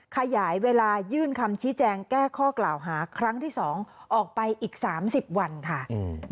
ขยายเวลายื่นคำชี้แจงแก้ข้อกล่าวหาครั้งที่สองออกไปอีกสามสิบวันค่ะอืม